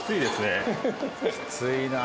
きついな。